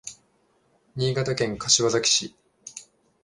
新潟県柏崎市